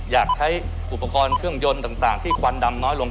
อยากใช้อุปกรณ์เครื่องยนต์ต่างที่ควันดำน้อยลง